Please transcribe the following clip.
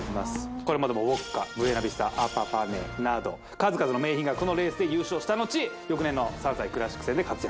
これまでもウオッカブエナビスタアパパネなど数々の名牝馬がこのレースで優勝したのち翌年の３歳クラシック戦で活躍